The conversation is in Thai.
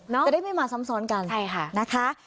จะได้ไม่มาซ้ำซ้อนกัน